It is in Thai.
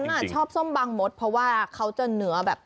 คือดิฉันอ่ะชอบส้มบังมดเพราะว่าเขาจะเหนือแบบ